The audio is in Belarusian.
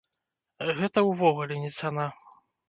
Гэта ўвогуле не цана.